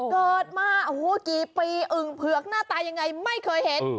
เกิดมาโอ้โหกี่ปีอึ่งเผือกหน้าตายังไงไม่เคยเห็น